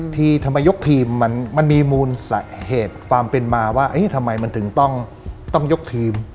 ทำไมยกทีมมันมีมูลสาเหตุความเป็นมาว่าทำไมมันถึงต้องยกทีม